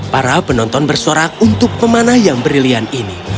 para penonton bersorak untuk pemanah yang brilian ini